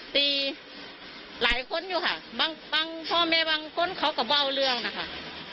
ตีหลายคนอยู่ค่ะบางพ่อแม่บางคนเขาก็เบ้าเรื่องนะคะ